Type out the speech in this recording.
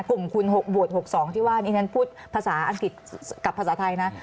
กลุ่มที่กลุ่มคุณวด๖๒ที่พูดภาษาอังกฤษกับไทย